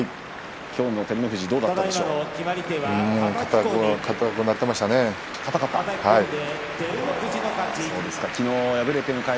きょうの照ノ富士どうでしたか。